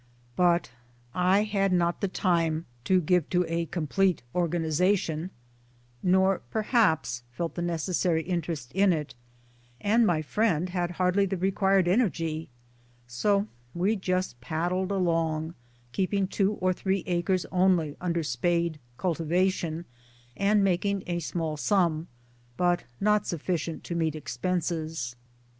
But I had not the time to give to 137 H38 MY DAYS AND DREAMS a complete organization, nor perhaps felt the neces sary interest in it ; and my friend had hardly the required energy ; so we just paddled along, keeping two or three acres only under spade cultivation, and making a small sum, but not sufficient to meet expenses.